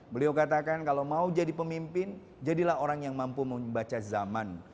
beliau katakan kalau mau jadi pemimpin jadilah orang yang mampu membaca zaman